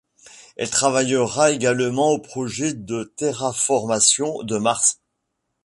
Elle travaillera également au projet de terraformation de Mars.